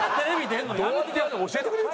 どうやってやるのか教えてくれよ